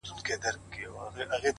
ولي مي هره شېبه هر ساعت پر اور کړوې ـ